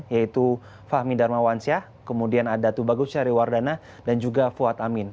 yaitu fahmi darmawansyah kemudian ada tubagus syariwardana dan juga fuad amin